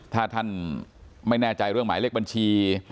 ถ้าท่านไม่แน่ใจเรื่องหมายเลขบัญชี